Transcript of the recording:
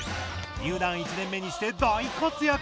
入団１年目にして、大活躍。